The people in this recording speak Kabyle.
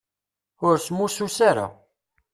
Ur smussus ara.